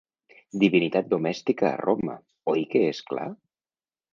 Divinitat domèstica a Roma, oi que és clar?